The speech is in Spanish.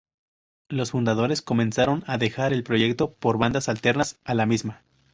Los fundadores comenzaron a dejar el proyecto por bandas alternas a la misma.